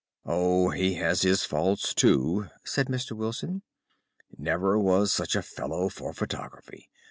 "Oh, he has his faults, too," said Mr. Wilson. "Never was such a fellow for photography.